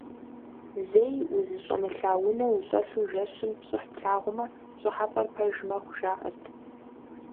Зэи узыщӀэмылъа унэ ущӀэлъу жэщым пщӀыхь плъагъумэ, пщӀыхьэпӀэр пэж мэхъу, жаӀэрт.